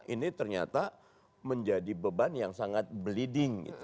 ini ternyata menjadi beban yang sangat bleeding